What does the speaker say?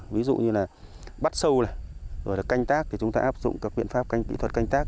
ví dụ như là bắt sâu rồi là canh tác thì chúng ta áp dụng các biện pháp kỹ thuật canh tác